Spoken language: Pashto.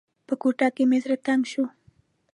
په کوټه کې مې زړه تنګ شو.